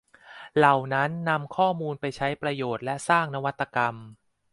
เหล่านั้นนำข้อมูลไปใช้ประโยชน์และสร้างนวัตกรรม